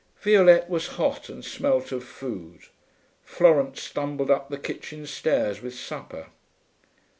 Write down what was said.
Violette was hot and smelt of food. Florence stumbled up the kitchen stairs with supper.